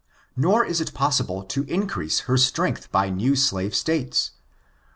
Nor is it possible to increase ner strength by new slave states.